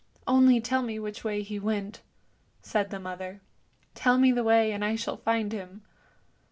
" Only tell me which way he went," said the mother. " Tell me the way, and I shall find him."